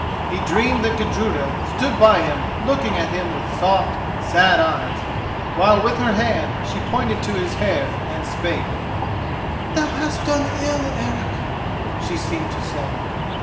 He dreamed that Gudruda stood by him looking at him with soft, sad eyes, while with her hand she pointed to his hair, and spake. "Thou hast done ill, Eric," she seemed to say.